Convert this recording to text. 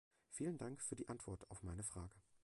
Vielen Dank für die Antwort auf meine Frage.